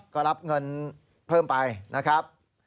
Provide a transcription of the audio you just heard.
ก็รับเงินเพิ่มไปนะครับ